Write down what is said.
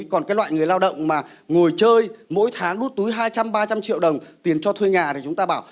còn cái loại người lao động mà ngồi chơi mỗi tháng đút túi hai trăm ba trăm linh triệu đồng tiền cho thuê nhà thì chúng ta bảo